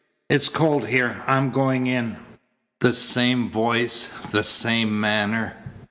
It's cold here. I'm going in." The same voice, the same manner!